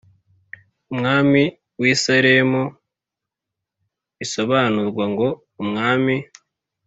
Umwami w i Salemu risobanurwa ngo Umwami